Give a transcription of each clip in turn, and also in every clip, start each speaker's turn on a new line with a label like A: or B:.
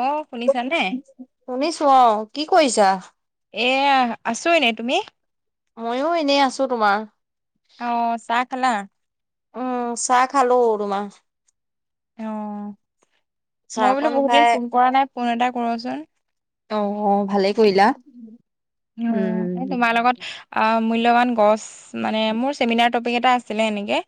A: অ শুনিছা নে।
B: শুনিছো অ কি কৰিছা।
A: এয়া আছোঁ এনে তুমি।
B: মইয়ো এনেই আছো তোমাৰ।
A: অ চাহ খালা।
B: উম চাহ খালো তোমা।
A: অঁ মই বোলো
B: চাহকন
A: বহুত দিন
B: খাই
A: ফোন কৰা নাই ফোন এটা কৰোচোন।
B: অ অ ভালেই ক
A: অ এই তোমাৰ লগত অ মূল্যৱান গছ মানে মোৰ চেমিনাৰ টপিক এটা আছিলে এনেকে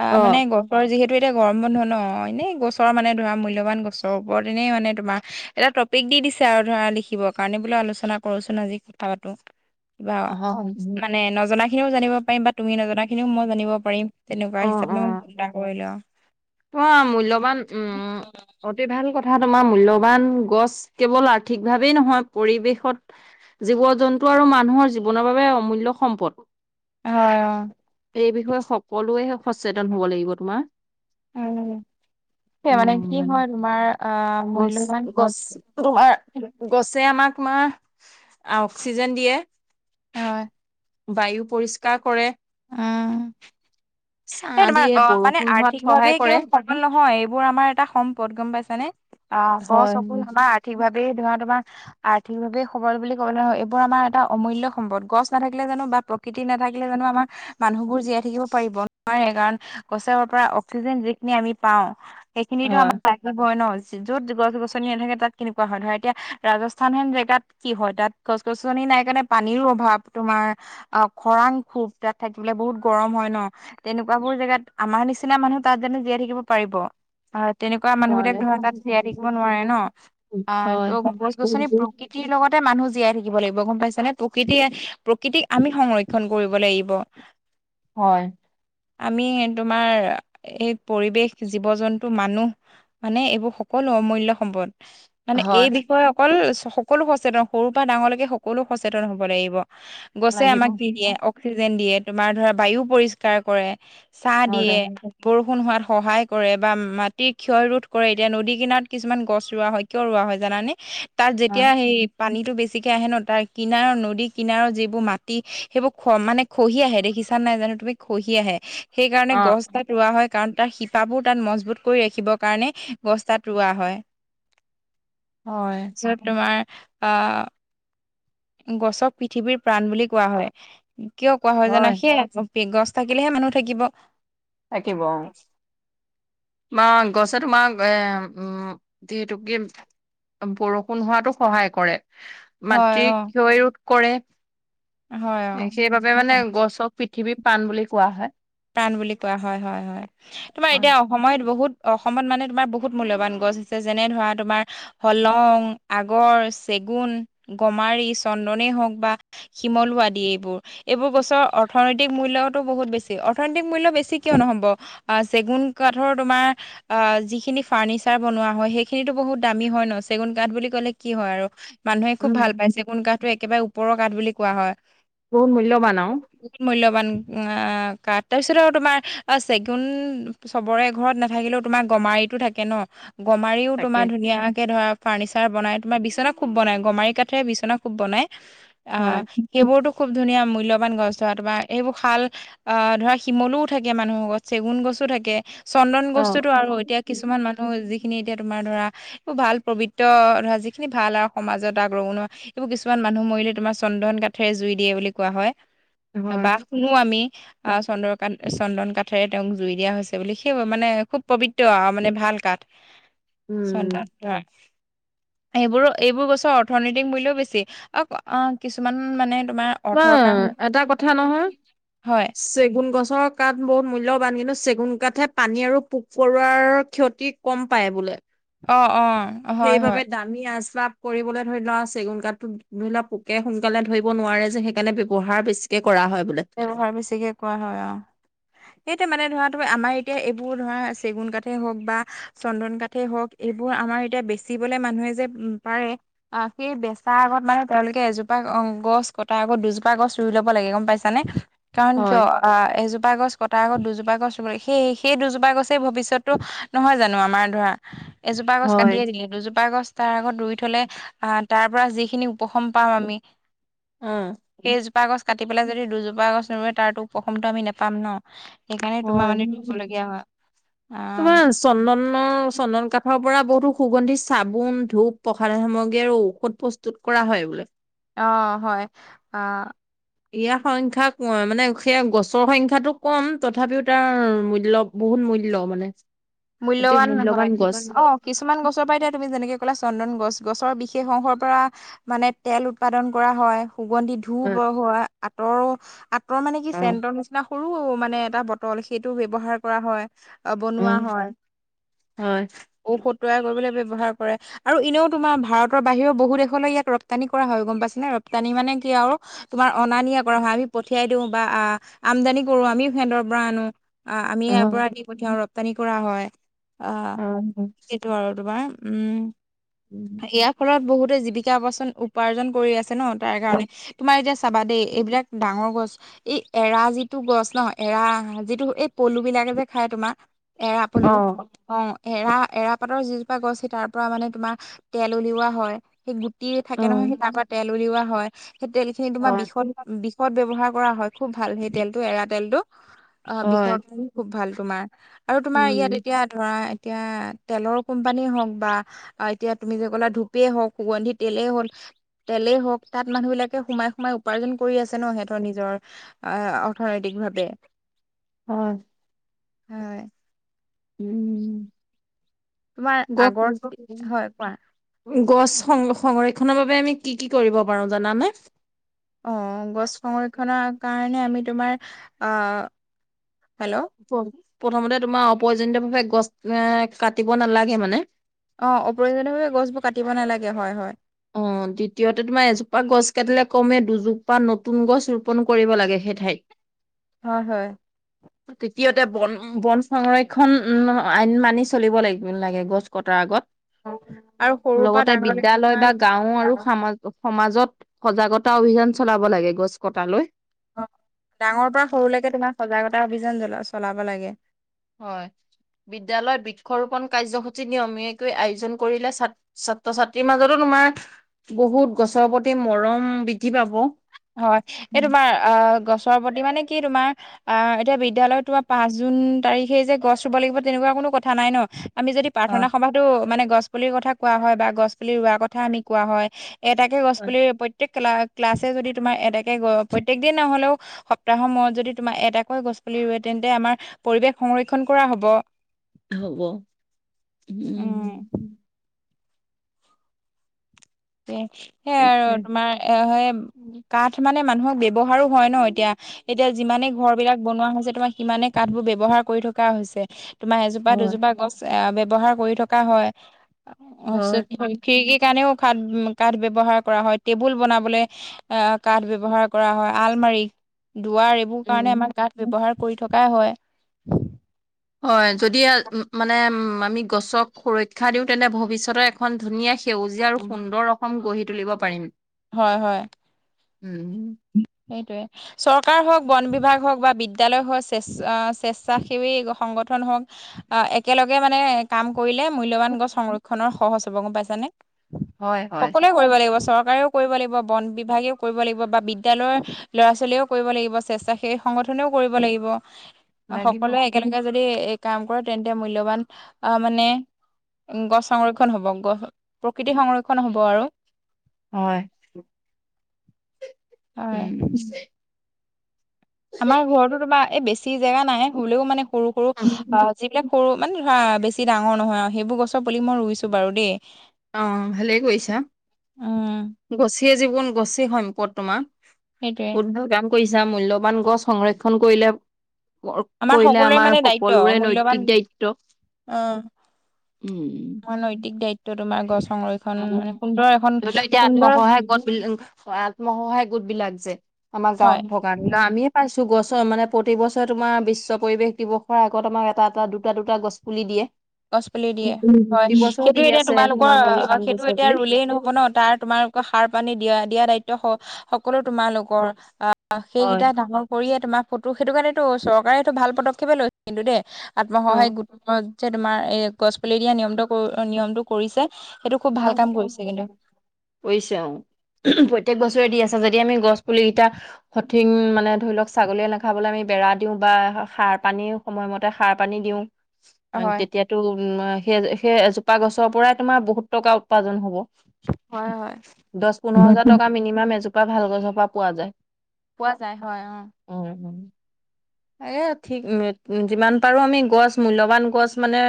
A: অ মানে গছ, ওপৰ যিহেতু এতিয়া গম বন্ধ ন এনেই গছৰ মানে ধৰা মূল্যৱান গছৰ ওপৰত এনেই মানে তোমাৰ এটা টপিক দিছে আৰু ধৰা লিখিবৰ কাৰণে বোলে আলোচনা চনা কৰোচোন আজি কথা পাতো কিবা
B: অ
A: মানে নজনা খিনিও জানিব পাৰিম বা তুমি নজনা খিনিও মই জানিব পাৰিম। তেনেকুৱা
B: অ অ
A: হিচাপেও ফোনটা কৰিলেআও,
B: তোমাৰ মূল্যবান উম অতি ভাল কথা তোমাৰ মূল্যবান গছ কেৱল আৰ্থিক ভাৱেই নহয় পৰিৱেশত জীৱ জন্তু আৰু মানুহৰ জীৱনৰ বাবে অমূল্য সম্পদ।
A: হয় অ।
B: এই বিষয়ে সকলোৱে সচেতন হ'ব লাগিব তোমাৰ।
A: হয়, সে মানে কি
B: উম
A: হয় তোমাৰ আ মূল্যবান গছ,
B: তোমাৰ গছে আমাক মা আ অক্সিজেন দিয়ে
A: হয়
B: বায়ু, পৰিষ্কাৰ কৰে।
A: আ এই
B: ছাঁ
A: তোমাৰ
B: দিয়ে,
A: অ মানে
B: বৰষুণ হোৱাত
A: আৰ্থিক ভাৱে
B: সহায় কৰে।
A: কেৱল। নহয় এইবোৰ আমাৰ এটা সম্পদ গম পাইছানে। অ'
B: হয়।
A: [unintelligible] ঠিক ভাবেই ধৰা তোমাৰ আৰ্থিকভাৱে সবল বুলি ক'বলৈ হয় এইবোৰ আমাৰ এটা অমূল্য সম্পদ গছ নাথাকিলে জানো বা প্ৰকৃতি নাথাকিলে জানো আমাৰ মানুহবোৰ জীয়াই থাকিব পাৰিব। [unintelligible] গছে আমাৰ পৰা অক্সিজেন যিখিনি আমি পাওঁ সেইখিনিটো আমাৰ
B: হয়।
A: লাগিব। হয় ন য'ত গছ গছনি নাথাকে তাত কেনেকুৱা হয়। ধৰা এতিয়া ৰাজস্থান হেন জেগাত কি হয় তাত গছ গছনি নাই কাৰণে পানীৰো অভাৱ তোমাৰ। অ' খৰাং খুব তাত, থাকিবলে বহুত গৰম হয় ন। তেনেকুৱাবোৰ জেগাত আমাৰ নিচিনা মানুহ তাত জানো জীয়াই থাকিব পাৰিব। আ তেনেকুৱা মানুহ বিলাক ধৰা তাত জীয়াই থাকিব নোৱাৰে ন। আহ
B: হয়,
A: টো গছ গছনি প্ৰকৃতিৰ লগত তে মানুহ জীয়াই থাকিব লাগিব গম পাইছা নে। প্ৰকৃতিয়ে প্ৰকৃতিক আমি সংৰক্ষণ কৰিব লাগিব।
B: হয়।
A: আমি তোমাৰ এই পৰিৱেশ, জীৱ-জন্তু, মানুহ মানে এইবোৰ সকলো অমূল্য সম্পদ। মানে এই
B: হয়
A: বিষয়ে অকল সকলো সচেতন সৰু পা ডাঙৰলৈকে সকলো সচেতন হ'ব লাগিব। গছে
B: লাগিব।
A: আমাক কি দিয়ে অক্সিজেন দিয়ে, তোমাৰ ধৰা বায়ু পৰিষ্কাৰ কৰে। ছাঁ দিয়ে।
B: হয়,
A: বৰষুণ হোৱাত সহায় কৰে বা মাটিৰ ক্ষয় ৰোধ কৰে। এতিয়া নদী কিনাৰত কিছুমান গছ ৰোৱা হয়। কিয় ৰোৱা হয় জানানে। তাত
B: হয়
A: যেতিয়া সেই পানীতো বেছিকে আহে ন তাৰ কিনাৰৰ নদী কিনাৰৰ যিবোৰ মাটি সেইবোৰ খ মানে খহি আহে দেখিছা নাই জানো তুমি খহি আহে সেইকাৰণে
B: অ',
A: গছ গছ তাত ৰোৱা হয় কাৰণ তাৰ শিপাবোৰ তাত মজবুত কৰি ৰাখিবৰ কাৰণে গছ তাত ৰোৱা হয়। [unintelligible]
B: হয়।
A: য'ত তোমাৰ অ গছক পৃথিৱীৰ প্ৰাণ বুলি কোৱা হয় কিয় কোৱা হয় জানা সেই [unintelligible] গছ থাকিলেহে মানুহ থাকিব।
B: থাকিব। তোমাৰ গছে তোমাৰ এ উম, যিহেতু কি বৰষুণ হোৱাতো সহায় কৰে,
A: হয়
B: মাটি
A: অ',
B: ক্ষয় ৰোধ কৰে।
A: হয়
B: সেইবাবে
A: অ'।
B: মানে গছক পৃথিৱীৰ প্ৰাণ বুলি কোৱা হয়।
A: প্ৰাণ বুলি কোৱা হয়-হয়-হয় তোমাৰ এতিয়া সময়ত বহুত অসমত মানে তোমাৰ বহুত মূল্যবান গছ আছে যেনে ধৰা তোমাৰ হোলং, আগৰ, চেগুন, গমাৰি, চন্দনেই হওঁক বা শিমলু আদি এইবোৰ। এইবোৰ গছৰ অৰ্থনৈতিক মূল্যতো বহুত বেছি। অৰ্থনৈতিক মূল্য বেছি কিয় নহ'ব, আহ চেগুন কাঠৰ তোমাৰ আহ, যিখিনি ফাৰ্ণিচাৰ বনোৱা হয় সেইখিনিতো বহুত দামী হয় ন চেগুন কাঠ বুলি ক'লে কি হয় আৰু মানুহে খুব
B: উম,
A: ভাল পাইছে চেগুন কাঠটো একেবাৰে ওপৰৰ কাঠ বুলি কোৱা হয়।
B: বহুত মূল্যবান আউ।
A: বহুত মূল্যবান আহ, কাঠ তাৰপিছত আৰু তোমাৰ চেগুন চবৰে ঘৰত নাথাকিলেও তোমাৰ গমাৰিতো থাকে ন। গমাৰিও
B: তাকে
A: তোমাৰ ধুনীয়াকে ধৰা ফাৰ্ণিচাৰ বনাই, তোমাৰ বিচনা খুব বনাই গমাৰি কাঠেৰে বিচনা খুব বনাই।
B: হয়,
A: আহ সেইবোৰতো খুব ধুনীয়া মূল্যবান গছ ধৰা তোমাৰ এইবোৰ শাল অ', ধৰা শিমলোও থাকে মানুহৰ ঘৰত, চেগুন গছো থাকে, চন্দন
B: অ'।
A: গছতো আৰু এতিয়া কিছুমান মানুহ যিখিনি এতিয়া তোমাৰ ধৰা [unintelligible] ভাল পবিত্ৰ ধৰা যিখিনি ভাল আৰু সমাজত [unintelligible] এইবোৰ কিছুমান মানুহ মৰিলে তোমাৰ চন্দন কাঠেৰে জুই দিয়ে বুলি কোৱা হয়।
B: হয়,
A: বা শুনো আমি। আ চন্দৰ কাঠ-চন্দন কাঠেৰে তেওঁক জুই দিয়া হৈছে বুলি সেই মানে খুব পবিত্ৰ আৰু মানে ভাল কাঠ। চন্দন
B: উম।
A: [unintelligible] এইবোৰ-এইবোৰ গছৰ অৰ্থনৈতিক মূল্যও বেছি অ', অ', কিছুমান মানে তোমাৰ অৰ্থৰ কাৰণ
B: অ', এটা কথা নহয়
A: হয়
B: চেগুন গছৰ কাঠ বহুত মূল্যৱান। কিন্তু চেগুন কাঠহে পানী আৰু পোক-পৰুৱাৰ ক্ষতিক কম পায় বোলে।
A: অ', অ', হয়, হয়।
B: আমি আশ্বাব কৰিবলৈ ধৰি লোৱা চেগুন কাঠটোত ধৰি লোৱা পোকে সোনকালে ধৰিব নোৱাৰে য যে সেইকাৰণে ব্যৱহাৰ বেছিকে কৰা হয় বোলে।
A: ব্যৱহাৰ বেছিকে কৰা হয়, অ'। সেইটো মানে ধৰা তোৰ-আমাৰ এতিয়া এইবোৰ ধৰা চেগুন কাঠেই হওঁক বা চন্দন কঠেই হওঁক, এইবোৰ আমাৰ এতিয়া বেচিবলে মানুহে যে পাৰে অ', সেই বেচাৰ আগত মানে তেওঁলোকে এজোপা [unintelligible] গছ কটাৰ আগত দুজোপা গছ ৰুই ল'ব লাগে গম পাইছ ছাৰে? কাৰণ
B: হয়,
A: কিয় অ', এজোপা গছ কটাৰ আগত দুজোপা গছ ৰুৱ লাগে। সেই-সেই দুজোপা গছেই ভৱিষ্যতটো নহয় জানো আমাৰ ধৰা এজোপা গছ
B: হয়।
A: কাটিয়ে দিলে দুজোপা গছ তাৰ আগত ৰুই থলে আহ, তাৰ পৰা যিখিনি উপশম পাম আমি
B: উম।
A: সেইজোপা গছ কাটি পেলাই যদি দুজোপা গছ নোৰুৱে তাৰতো প্ৰসমতা আমি নেপাম ন। সেইকাৰণে তোমাৰ
B: হয়,
A: মানে কি ৰুৱ লগীয়া হয়। অ'।
B: চন্দনৰ-চন্দন কাঠৰ পৰা বহুতো সুগন্ধি চাবোন, ধূপ, প্ৰসাদ সামগ্ৰী আৰু ঔষধ প স্তুত কৰা হয় বোলে।
A: অ', হয়। অ'
B: ইয়াৰ সংখ্যা মানে সেয়া গছৰ সংখ্যাটো কম তথাপিও তাৰ মূল্য বহুত মূল্য মানে। অতি
A: মূল্যৱান হয়।
B: মূল্যবান গছ
A: অ', কি কিছুমান গছৰ পৰাই এতিয়া তুমি যেনেকৈ ক'লা চন্দন গছ, গছৰ বিশেষ অংশৰ পৰা মানে তেল উৎপাদন কৰা হয় সুগন্ধি
B: অ
A: ধুপ [unintelligible] আতৰ, আতৰ মানে কি
B: অ
A: চেণ্টৰ নিচিনা সৰু মানে এটা বটল সেইটো ব্যৱহাৰ কৰা হয়। অ', বনোৱা
B: উম,
A: হয়।
B: হয়।
A: ঔষধ তৈয়াৰ কৰিবলৈ ব্যৱহাৰ কৰে। আৰু এনেও তোমাৰ ভাৰতৰ বাহিৰেও বহু দেশলৈ ইয়াক ৰপ্তানি কৰা হয়, গম পাইছেনে? ৰপ্তানি মানে কি আৰু তোমাৰ অনা-নিয়া কৰা হয়। আমি পঠিয়াই দিওঁ বা আ আমদানি কৰোঁ আমিও সেঁহতৰ পৰা আনো। আ আমি
B: অ
A: ইয়াপৰা দি পঠিয়াও ৰপ্তানি কৰা হয়। আ
B: অ
A: সেইটো আৰু তোমাৰ উম।
B: উম।
A: ইয়াৰ ফলত বহুতে জীৱিকা আৱচন-উপাৰ্জন কৰি আছে ন তাৰ কাৰণে। তোমাৰ এতিয়া চাবা দেই এইবিলাক ডাঙৰ গছ এই এৰা যিটো গছ ন, এৰা যিটো এই পলুবিলাকে যে খায় তোমাৰ এৰা পলু,
B: অ
A: অ এৰা এৰা পাতৰ যিজোপা গছছে তাৰ পৰা মানে তোমাৰ তেল উলিওৱা হয় সেই গুটি
B: অ
A: থাকে নহয় সেই তাৰ পৰা তেল উলিওৱা হয়, সেই তেলখিনি তোমাৰ
B: হয়
A: বিষত বিষত ব্যৱহাৰ কৰা হয় খুব ভাল সেই তেলটো এৰা তেলটো, আ
B: হয়
A: বিষৰ খুব ভাল তোমাৰ আৰু তোমাৰ
B: উম
A: ইয়াত এতিয়া ধৰা এতিয়া তেলৰ কোম্পানী হওক বা এতিয়া তুমি যে ক'লা ধূপে হওক, সুগন্ধি তেলেই হ'ল তেলেই হওক, তাত মানুহবিলাকে সোমাই সোমাই উপাৰ্জন কৰি আছে ন সিহঁতৰ নিজৰ। আহ অৰ্থনৈতিক ভাৱে।
B: অ
A: হয়।
B: উম।
A: তোমাৰ
B: গ
A: আগৰটোক হয় কোৱা?
B: গছ সং সংৰক্ষণৰ বাবে আমি কি কি কৰিব পাৰো জানানে?
A: অ গছ সংৰক্ষণৰ কাৰণে আমি তোমাৰ আ, হেল্ল'?
B: প্ৰ প্ৰথমতে তোমাৰ অপ্ৰয়োজনিতভাৱে গছ এ কাটিব নালাগে মানে।
A: অ অপ্ৰয়োজনীয়ভাৱে গছবোৰ কাটিব নালাগে হয় হয়।
B: অ দ্বিতীয়তে তোমাৰ এজোপা গছ কাটিলে কমেই দুজোপা নতুন গছ ৰোপন কৰিব লাগে সেই ঠাইত।
A: হয় হয়।
B: তিতীয়তে বন বন সংৰক্ষন আইন মানি চলিব লাগিব লাগে গছ কটাৰ
A: আৰু
B: আগত।
A: সৰুৰ পৰা
B: লগতে
A: ডাঙৰলৈকে
B: বিদ্যালয় বা গাঁও
A: তোমাৰ
B: আৰু সমাজ সমাজত সজাগতা অভিযান চলাব লাগে গছ কটালৈ।
A: অ ডাঙৰ পৰা সৰুলৈকে তোমাৰ সজাগতা অভিযান জলা চলাব লাগে।
B: হয়, বিদ্যালয়ত বৃক্ষৰোপন কাৰ্যসূচী নিয়মীয়াকৈ আয়োজন কৰিলে ছাত্ৰ ছাত্ৰ ছাত্ৰীৰ মাজতো তোমাৰ বহুত গছৰ প্ৰতি মৰম বৃদ্ধি পাব।
A: হয়, এই তোমাৰ আহ গছৰ প্ৰতি মানে কি তোমাৰ আহ এতিয়া বিদ্যালয়ত তোমাৰ পাঁচ জুন তাৰিখে যে গছ ৰুব লাগিব তেনেকুৱা কোনো কথা নাই ন? আমি যদি
B: অ
A: প্ৰাৰ্থনা সভাতো মানে গছ পুলিৰ কথা কোৱা হয় বা গছ পুলি ৰোৱাৰ কথা আমি কোৱা হয় এটাকে গছ
B: হয়
A: পুলি প্ৰত্যেক ক্লা ক্লাছে যদি তোমাৰ এটাকে প্ৰত্যেক দিন নহ'লেও সপ্তাহৰ মূৰত যদি তোমাৰ এটাকৈ গছ পুলি ৰুৱে তেন্তে আমাৰ পৰিৱেশ সংৰক্ষণ কৰা হব।
B: হ'ব।
A: উম। সেইয়াই আৰু
B: তাকে
A: তোমাৰ এ সেই কাঠ মানে মানুহক ব্যৱহাৰো হয় ন এতিয়া। এতিয়া যিমানে ঘৰবিলাক বনোৱা হৈছে তোমাৰ সিমানে কাঠবোৰ ব্যৱহাৰ কৰি থকা হৈছে। তোমাৰ এজোপা
B: হয়।
A: দুজোপা গছ এ ব্যৱহাৰ কৰি থকা হয়, অ চ
B: হয়।
A: খিৰিকী সেইকাৰণেও খাঠ কাঠ ব্যৱহাৰ কৰা হয়, টেবুল বনাবলে আ কাঠ ব্যৱহাৰ কৰা হয়, আলমাৰি দুৱাৰ এইবোৰ কাৰণে
B: উম।
A: আমাৰ কাঠ ব্যৱহাৰ কৰি থকাই হয়।
B: হয় যদি মানে উম আমি গছক সুৰক্ষা দিওঁ তেন্তে ভৱিষ্যতৰ এখন ধুনীয়া সেউজীয়া আৰু সুন্দৰ অসম গঢ়ি তুলিব পাৰিম।
A: হয় হয়
B: উম
A: সেইটোৱে চৰকাৰ হওঁক বন বিভাগ হওঁক বা বিদ্যালয় হওক স্বেছা আ স্বেচ্ছাসেৱী সংগঠন হওঁক অ একেলগে মানে কাম কৰিলে মূল্যবান গছ সংৰক্ষনৰ সহজ হ'ব গম পাইছানে
B: হয় হয়
A: সকলোৱে কৰিব লাগিব চৰকাৰেও কৰিব লাগিব বন বিভাগেও কৰিব লাগিব বা বিদ বিদ্যালয়ৰ ল'ৰা-ছোৱালীয়েও কৰিব লাগিব, স্বেচ্ছাসেৱী সংগঠনেও কৰিব লাগিব
B: লাগিব
A: সকলোৱে একেলগে যদি এ কাম কৰে তেন্তে মূল্যবান আহ মানে গছ সংৰক্ষণ হ'ব গ প্ৰকৃতি সংৰক্ষণ হ'ব আৰু
B: হয়
A: হয়
B: উম
A: আমাৰ ঘৰতো তোমা এই বেছি জেগা নাই সলেও মানে সৰু সৰু অ যিবিলাক সৰু মানে ধৰা বেছি ডাঙৰ নহয় আৰু সেইবোৰ গছৰ পুলি মই ৰুইছো বাৰু দেই
B: অ ভালেই কৰিছা
A: উম
B: গছেই জীৱন, গছেই সম্পদ
A: সেইটোয়ে
B: তোমাৰ কাম কৰিছা মূল্যবান গছ সংৰক্ষণ কৰিলে ক
A: আমাৰ
B: কৰিলে
A: সকলোৰে
B: আমাৰ
A: মানে দায়িত্ব
B: সকলোৰে
A: মূল্যবান
B: নৈতিক দায়িত্ব
A: তোমাৰ নৈতিক দায়িত্ব তোমাৰ গছ সংৰক্ষণ
B: উম।
A: মানে সুন্দৰ এখন
B: ধৰি লওক এতিয়া
A: সুন্দৰ
B: আত্মসহায় গোট বি আত্মসহায়ক গোট বিলাক যে আমাৰ
A: হয়
B: গাঁৱত থকা না আমিয়ে পাইছো গছৰ মানে প্ৰতি বছৰে তোমাৰ বিশ্ব পৰিবেশ দিৱসৰ আগত আমাক এটা এটা, দুটা দুটা গছ পুলি দিয়ে
A: গছ পুলি দিয়ে হয়।
B: প্ৰতি বছৰ
A: সেইটো
B: দি
A: এতিয়া
B: আছে
A: তোমালোকৰ
B: তোমাৰ মূল্যবান
A: সেইটো
B: গছৰ
A: এতিয়া
B: পুলি
A: ৰুলেই নহব ন তাৰ তোমালোকৰ সাৰ পানী দিয়া দিয়া দায়িত্ব স সকলো তোমালোকৰ
B: হয়
A: সেইকেইটা ডাঙৰ কৰিয়ে তোমাৰ ফটো সেইটো কাৰনেটো চৰকাৰে এইটো ভাল পদক্ষেপে লৈছে কিন্তু দেই
B: অ
A: আত্মসহায়ক গোটত যে তোমাৰ এ গছ পুলি দিয়া নিয়মটো ক নিয়মটো কৰিছে সেইটো খুব ভাল কাম কৰিছে কিন্তু
B: পৰিছে অ প্ৰত্যেক বছৰে দি আছে যদি আমি গছ পুলি গিটা সঠিক মানে ধৰি লওক ছাগলীয়ে নাখাবলে আমি বেৰা দিওঁ বা সাৰ পানী সময়মতে সাৰ পানী দিওঁ
A: হয়
B: তেতিয়াতো উম সেই সেই এজোপা গছৰ পৰাই তোমাৰ বহুত টকা উপাৰ্জন হব।
A: হয় হয়
B: দশ, পোন্ধৰ হাজাৰ টকা মিনিমান এজোপ পা ভাল গছপা পোৱা যায়
A: পোৱা যায় হয় অ
B: উম উম এ ঠিক উম যিমান পাৰো আমি গছ মূল্যবান গছ মানে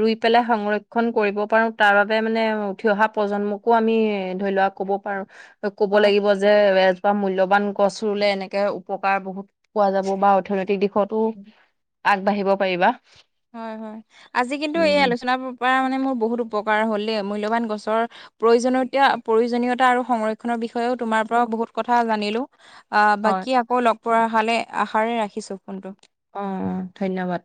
B: ৰুই পেলাই সংৰক্ষণ কৰিব পাৰো তাৰ বাবে মানে উঠি অহা প্ৰজন্মকো আমি ধৰি লোৱা কব পাৰো ক'ব
A: হয়
B: লাগিব যে এ জোপা মূল্যবান গছ ৰুলে এনেকে উপকাৰ বহুত পোৱা যাব বা অৰ্থনৈতিক দিশতো আগবাঢ়িব পাৰিবা
A: হয় হয় আজি কিন্তু এই
B: উম
A: আলোচনাৰ পৰা মানে মোৰ বহুত উপকাৰ হ'ল দেই মূল্যবান গছৰ প্ৰয়োজনীয়তা প্ৰয়োজনীয়তা আৰু সংৰক্ষনৰ বিষয়েও তোমাৰ পৰা বহুত কথা জানিলো আহ
B: হয়
A: বাকি আকৌ লগ পোৱাৰ হলে আশাৰে ৰাখিছো ফোনটো
B: অ অ ধন্যবাদ